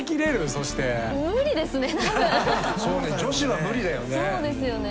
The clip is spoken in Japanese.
そうね女子は無理だよね。